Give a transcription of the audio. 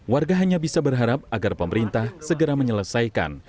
warga hanya bisa berharap agar pemerintah segera menyelesaikan